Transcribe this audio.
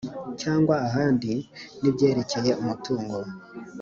cyangwa ahandi n ibyerekeye umutungo